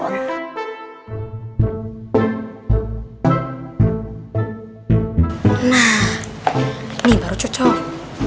nah nih baru cocok